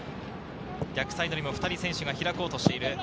逆サイドにも２人選手がひらこうとしている。